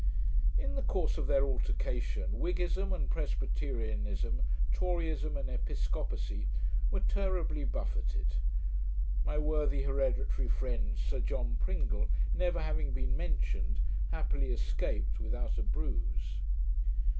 In the course of their altercation, Whiggism and Presbyterianism, Toryism and Episcopacy, were terribly buffeted. My worthy hereditary friend, Sir John Pringle, never having been mentioned, happily escaped without a bruise.